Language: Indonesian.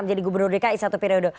menjadi gubernur dki satu periode